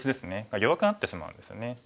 が弱くなってしまうんですよね。